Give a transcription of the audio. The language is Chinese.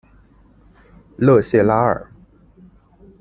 勒谢拉尔。